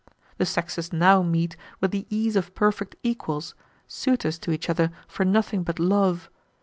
The sexes now meet with the ease of perfect equals, suitors to each other for nothing but love.